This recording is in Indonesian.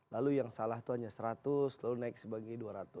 lalu yang salah itu hanya seratus lalu naik sebagai dua ratus